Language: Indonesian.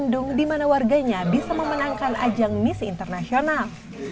di mana warganya bisa memenangkan ajang miss international